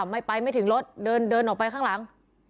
ไม่ไปไม่ถึงรถเดินออกไปข้างหลัง